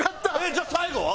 じゃあ最後は？